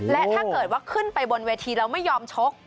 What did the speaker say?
และถ้าเกิดว่าขึ้นไปบนเวทีแล้วไม่ยอมชก